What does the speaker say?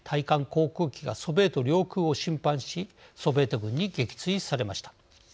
航空機がソビエト領空を侵犯しソビエト軍に撃墜されました。